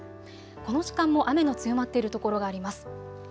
この時間も雨の強まっている所があります。